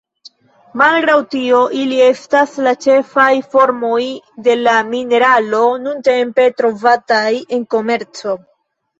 Malgraŭ tio, ili estas la ĉefaj formoj de la mineralo nuntempe trovataj en komerco.